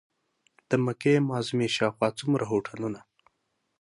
د مکې معظمې شاوخوا څومره هوټلونه.